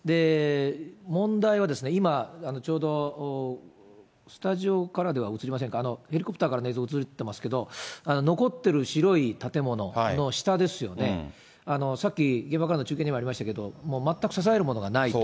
問題は今ちょうどスタジオからでは映りませんか、ヘリコプターからの映像で映っていますけれども、残ってる白い建物の下ですよね、さっき現場からの中継にもありましたけれども、もう全く支えるものがないと。